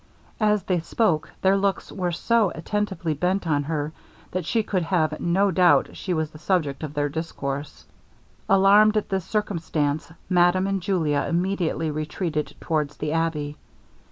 As they spoke, their looks were so attentively bent on her, that she could have no doubt she was the subject of their discourse. Alarmed at this circumstance, madame and Julia immediately retreated towards the abbey.